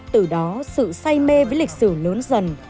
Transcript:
từ đó sự say mê với lịch sử lớn dần